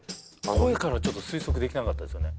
声からちょっと推測できなかったですよね